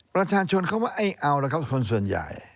ประชาชนเขาว่าไอ้เอาละครับคนส่วนใหญ่